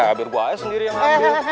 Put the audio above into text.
habis gua aja sendiri yang ambil